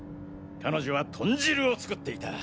彼女は豚汁を作っていた。